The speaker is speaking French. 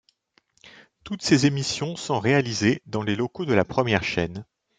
Toutes ses émissions sont réalisées dans les locaux de la première chaîne.